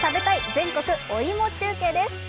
全国お芋中継です。